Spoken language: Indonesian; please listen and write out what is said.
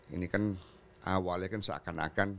ini kan awalnya kan seakan akan